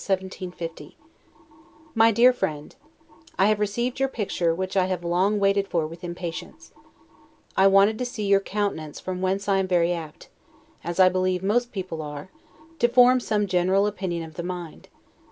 1750 MY DEAR FRIEND: I have received your picture, which I have long waited for with impatience: I wanted to see your countenance from whence I am very apt, as I believe most people are, to form some general opinion of the mind.